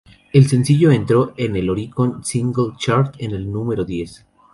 El sencillo entró en el Oricon single chart en el número diez.